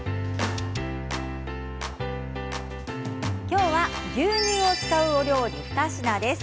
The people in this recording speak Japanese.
きょうは牛乳を使うお料理２品です。